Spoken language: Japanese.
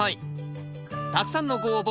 たくさんのご応募